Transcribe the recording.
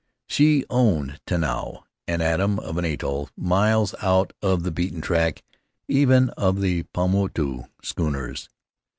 She owned Tanao, an atom of an atoll miles out of the beaten track even of the Paumotu schooners.